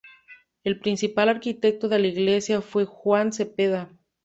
El principal arquitecto de la iglesia fue Juan Zepeda.